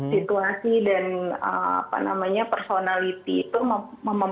situasi dan personality tentang masyarakat tapi di dalamnya memang